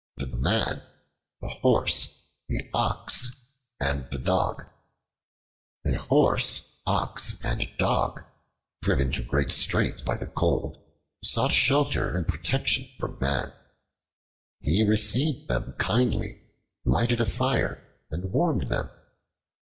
The Man, the Horse, the Ox, and the Dog A HORSE, Ox, and Dog, driven to great straits by the cold, sought shelter and protection from Man. He received them kindly, lighted a fire, and warmed them.